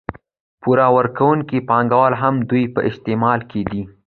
پور ورکوونکي پانګوال هم د دوی په استثمار کې دي